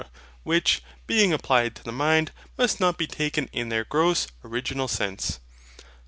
which, being applied to the mind, must not be taken in their gross, original sense.